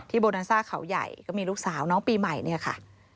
โบนัสซ่าเขาใหญ่ก็มีลูกสาวน้องปีใหม่เนี่ยค่ะ